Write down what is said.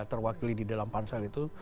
terwakili di dalam pansel itu